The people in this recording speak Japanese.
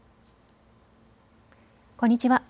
こんにちは。